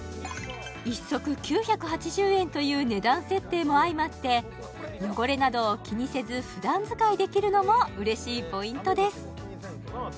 一足９８０円という値段設定も相まって汚れなどを気にせずふだん使いできるのもうれしいポイントです